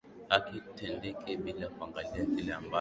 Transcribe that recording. haki itendeke bila kuangalia kile ambacho